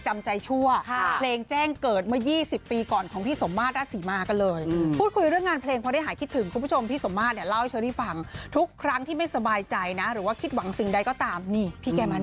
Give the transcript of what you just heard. ไม่มีปัญหาสำหรับตัวนี้นะครับ